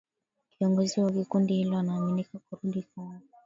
Kiongozi wa kundi hilo anaaminika kurudi Kongo